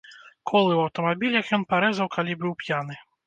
Колы ў аўтамабілях ён парэзаў, калі быў п'яны.